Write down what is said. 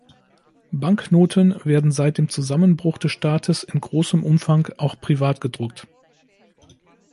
Banknoten werden seit dem Zusammenbruch des Staates in großem Umfang auch „privat“ gedruckt.